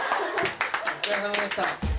お疲れさまでした。